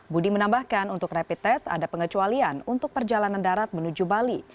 budi menambahkan untuk rapid test ada pengecualian untuk perjalanan darat menuju bali